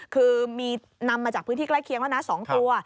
คือมีนำมาจากพื้นที่ใกล้เคียงแล้วนะ๒ตัว